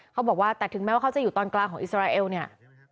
เขาบอกว่าแต่ถึงแม้ว่าเขาจะอยู่ตอนกลางของอิสราเอลเนี่ย